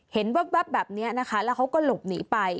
แว๊บแบบนี้นะคะแล้วเขาก็หลบหนีไป